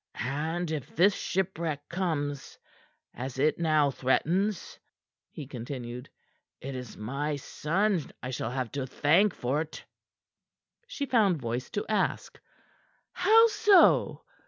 "And if this shipwreck comes, as it now threatens," he continued, "it is my son I shall have to thank for't." She found voice to ask: "How so?"